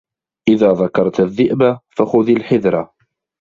إذا ذكرت الذئب فخذ الحذر